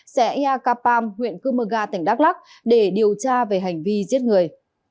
xe ea kapam huyện cư mơ ga tỉnh đắk lắc để điều tra về hành vi giết người